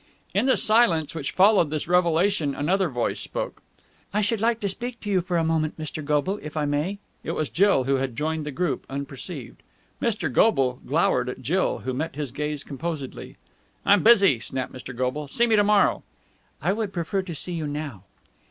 In the silence which followed this revelation, another voice spoke. "I should like to speak to you for a moment, Mr. Goble, if I may." It was Jill, who had joined the group unperceived. Mr. Goble glowered at Jill, who met his gaze composedly. "I'm busy!" snapped Mr. Goble. "See me to morrow!" "I would prefer to see you now."